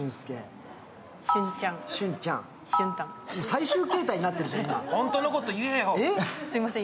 最終形態になってるよ。